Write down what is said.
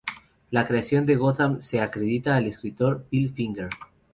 La creación de Gotham se acredita al escritor Bill Finger.